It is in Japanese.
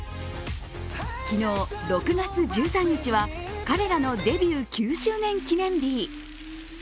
昨日６月１３日は、彼らのデビュー９周年記念日。